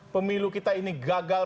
pemilu kita ini gagal